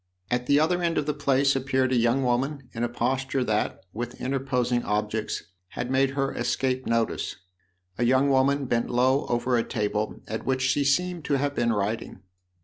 At the other end of the place appeared a young woman in a posture that, with interposing objects, had made her escape notice, a young woman bent low over a table at which she seemed to have been writing.